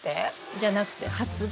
じゃなくて発芽。